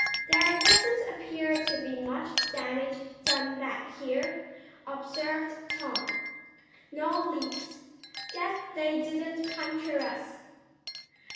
"There doesn't appear to be much damage done back here," observed Tom. "No leaks. Guess they didn't puncture us."